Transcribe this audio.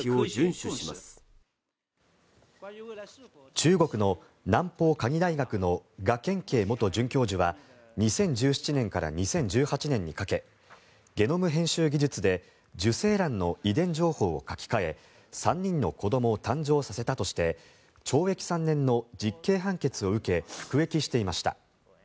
中国の南方科技大学のガ・ケンケイ元准教授は２０１７年から２０１８年にかけゲノム編集技術で受精卵の遺伝情報を書き換え３人の子どもを誕生させたとして懲役３年の実刑判決を受け服役していました。